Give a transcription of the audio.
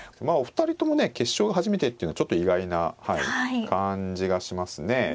まあお二人ともね決勝が初めてっていうのはちょっと意外な感じがしますね。